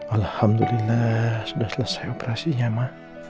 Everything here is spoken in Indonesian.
alhamdulillah sudah selesai operasinya mak